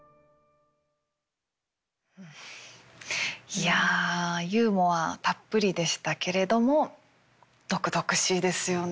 いやユーモアたっぷりでしたけれども毒々しいですよね。